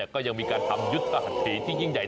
ก็ยังมีการทำยุทธหัสถีที่ยิ่งใหญ่